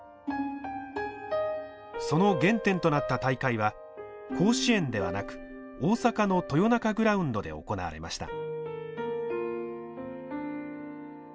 その原点となった大会は甲子園ではなく大阪の豊中グラウンドで行われました。